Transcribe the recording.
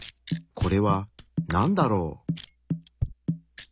これはなんだろう？